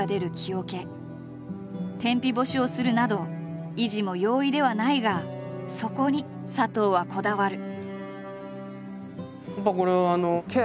天日干しをするなど維持も容易ではないがそこに佐藤はこだわる。